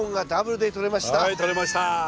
はいとれました。